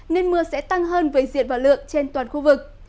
nên mưa sẽ tăng hơn về diện và lượng trên toàn khu vực